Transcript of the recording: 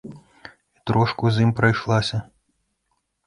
І трошку з ім прайшлася.